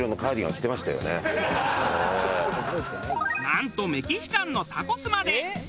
なんとメキシカンのタコスまで！